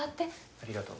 ありがとう。